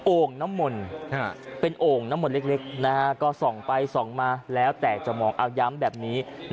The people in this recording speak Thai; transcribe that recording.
่งน้ำมนต์เป็นโอ่งน้ำมนต์เล็กก็ส่องไปส่องมาแล้วแต่จะมองเอาย้ำแบบนี้